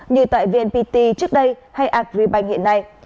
như tại vnpt trước đây hay agribank hiện nay